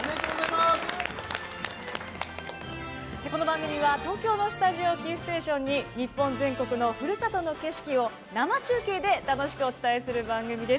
この番組は東京のスタジオをキーステーションに日本全国のふるさとの景色を生中継で楽しくお伝えする番組です。